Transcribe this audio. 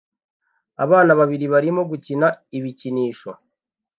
Abana babiri barimo gukina ibikinisho